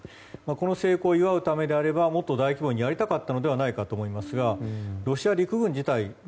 この成功を祝うためならもっと大規模にやりたかったと思いますがロシア陸軍自体